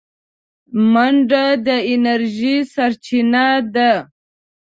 منډه د انرژۍ سرچینه ده